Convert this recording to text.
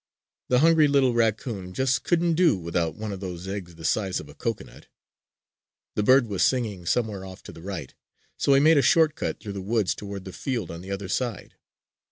The hungry little raccoon just couldn't do without one of those eggs the size of a cocoanut. The bird was singing somewhere off to the right. So he made a short cut through the woods toward the field on the other side.